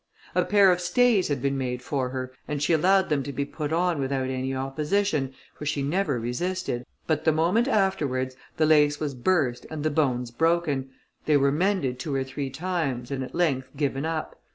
A pair of stays had been made for her, and she allowed them to be put on without any opposition, for she never resisted; but the moment afterwards the lace was burst and the bones broken; they were mended two or three times, and at length given up.